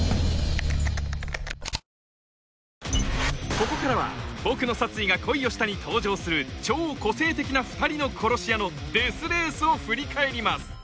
ここからは『ボクの殺意が恋をした』に登場する超個性的な２人の殺し屋のデス・レースを振り返ります